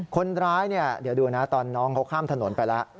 คนร้ายเนี่ยเดี๋ยวดูนะตอนน้องเขาข้ามถนนไปแล้ว